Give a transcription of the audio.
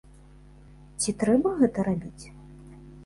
Ці трэба гэта рабіць?